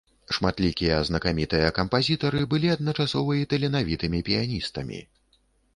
Шматлікія знакамітыя кампазітары былі адначасова і таленавітымі піяністамі.